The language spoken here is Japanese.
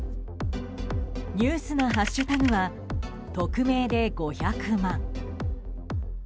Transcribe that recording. ニュースなハッシュタグは「＃匿名で５００万」。